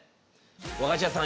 和菓子屋さん